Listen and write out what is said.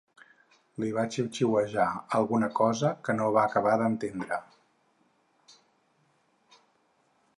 Li va xiuxiuejar alguna cosa que no va acabar d'entendre.